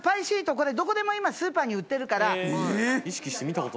これどこでも今スーパーに売ってるから・ええ！